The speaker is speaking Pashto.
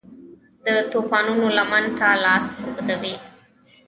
د توپانونو لمن ته لاس اوږدوي